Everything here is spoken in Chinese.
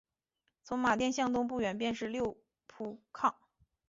从马甸向东不远便是六铺炕。